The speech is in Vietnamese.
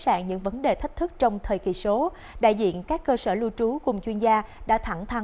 sạn những vấn đề thách thức trong thời kỳ số đại diện các cơ sở lưu trú cùng chuyên gia đã thẳng